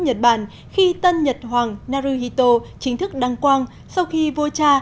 nhật bản khi tân nhật hoàng naruhito chính thức đăng quang sau khi vua cha